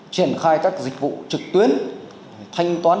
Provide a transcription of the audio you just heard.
cho phù hợp với cuộc sống văn minh